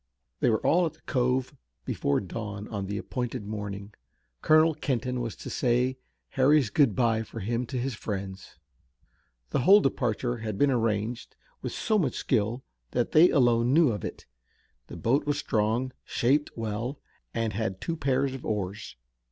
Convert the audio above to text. They were all at the cove before dawn on the appointed morning. Colonel Kenton was to say Harry's good bye for him to his friends. The whole departure had been arranged with so much skill that they alone knew of it. The boat was strong, shaped well, and had two pairs of oars.